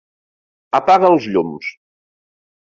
Apaga els llums.